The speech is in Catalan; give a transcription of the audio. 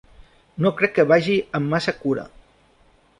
No crec que vagi amb massa cura.